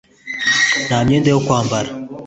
nta myenda yo kwambara